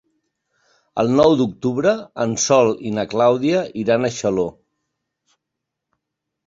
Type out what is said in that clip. El nou d'octubre en Sol i na Clàudia iran a Xaló.